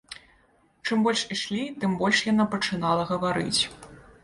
Чым больш ішлі, тым больш яна пачынала гаварыць.